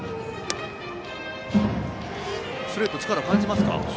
ストレート、力感じますか？